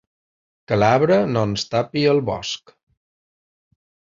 Que l’arbre no ens tapi el bosc.